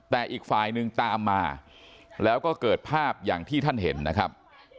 แต่อีกฝ่ายหนึ่งตามมาแล้วก็เกิดภาพอย่างที่ท่านเห็นนะครับ